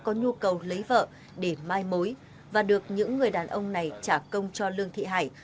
có nhu cầu lấy vợ để mai mối và được những người đàn ông này trả công cho lương thị hải